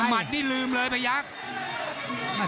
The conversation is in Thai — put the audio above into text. ภูตวรรณสิทธิ์บุญมีน้ำเงิน